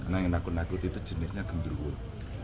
nah yang nakut nakuti itu jenisnya gendruwo